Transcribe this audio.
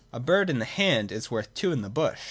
' A bird in the hand is worth two in the bush.'